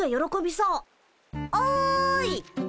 おい！